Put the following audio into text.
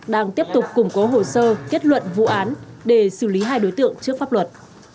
đang tiếp tục củng cố hồ sơ kết luận vụ án để xử lý hai đối tượng trước pháp luật